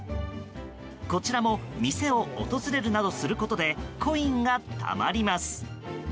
こちらも店を訪れるなどすることでコインがたまります。